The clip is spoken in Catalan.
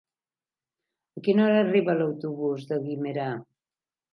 A quina hora arriba l'autobús de Guimerà?